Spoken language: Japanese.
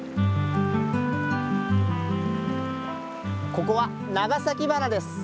ここは長崎鼻です。